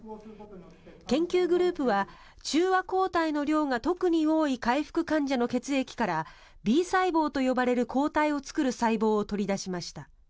研究グループは中和抗体の量が特に多い回復患者の血液からＢ細胞と呼ばれる抗体を作る細胞を取り出しました。